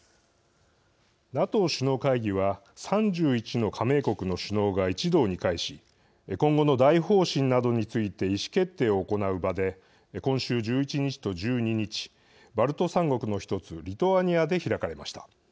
ＮＡＴＯ首脳会議は３１の加盟国の首脳が一堂に会し今後の大方針などについて意思決定を行う場で今週１１日と１２日バルト三国の１つリトアニアで開かれました。